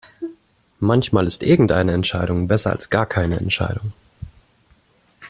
Manchmal ist irgendeine Entscheidung besser als gar keine Entscheidung.